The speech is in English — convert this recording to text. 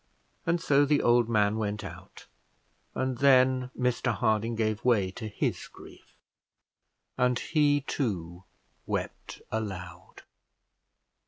And so the old man went out, and then Mr Harding gave way to his grief and he too wept aloud.